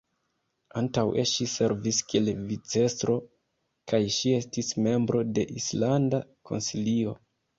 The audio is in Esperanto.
Antaŭe ŝi servis kiel vicestro kaj ŝi estis membro de Islanda Konsilio.